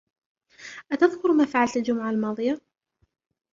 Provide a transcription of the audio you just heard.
أتذكرُ ما فعلتَ الجمعة الماضية؟